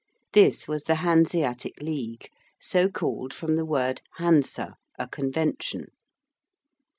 This was the Hanseatic League (so called from the word Hansa, a convention).